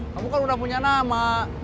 kamu kan udah punya nama